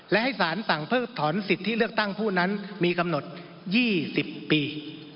และให้สารสั่งเพิกถอนสิทธิเลือกตั้งผู้นั้นมีกำหนด๒๐ปี